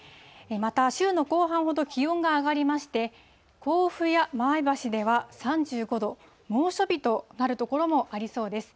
また、週の後半ほど気温が上がりまして、甲府や前橋では３５度、猛暑日となる所もありそうです。